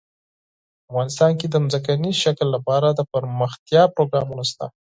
افغانستان کې د ځمکنی شکل لپاره دپرمختیا پروګرامونه شته.